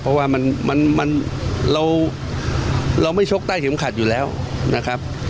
เพราะว่ามันเราไม่ชกใต้เข็มขัดอยู่แล้วนะครับ